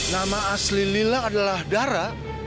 nama asli lila adalah dara